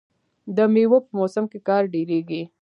د میوو په موسم کې کار ډیریږي.